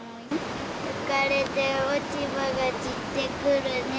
吹かれて落ち葉が散ってくるね。